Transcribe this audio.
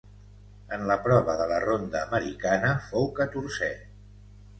En la prova de la ronda americana fou catorzè.